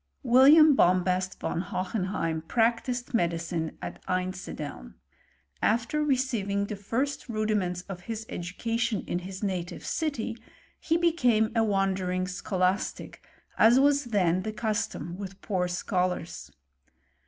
William Bombast von Ho henheim practised medicine at Einsideln.* After receiving the first rudiments of his education in his ^ihe city, he became a wandering scholastic, as was then the custom with poor scholars.